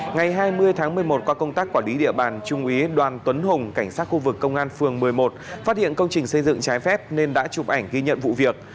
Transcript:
ngày hai mươi tháng một mươi một qua công tác quản lý địa bàn trung úy đoàn tuấn hùng cảnh sát khu vực công an phường một mươi một phát hiện công trình xây dựng trái phép nên đã chụp ảnh ghi nhận vụ việc